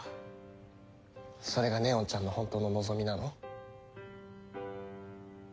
それが祢音ちゃんの本当の望みなの？